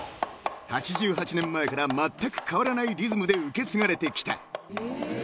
［８８年前からまったく変わらないリズムで受け継がれてきた］